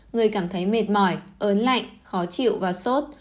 người cảm thấy mệt mỏi ớn lạnh khó chịu và sốt